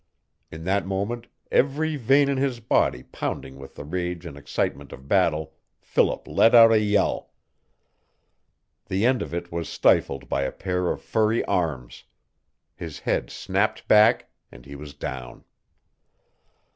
In that moment, every vein in his body pounding with the rage and excitement of battle, Philip let out a yell. The end of it was stifled by a pair of furry arms. His head snapped back and he was down.